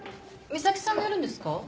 岬希さんがやるんですか？